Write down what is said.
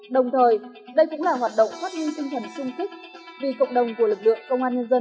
đồng thời đây cũng là hoạt động phát huy tinh thần sung kích vì cộng đồng của lực lượng công an nhân dân